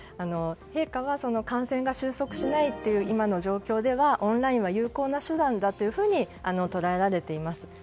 陛下は感染が収束しないという今の状況ではオンラインは有効な手段だというふうに捉えられています。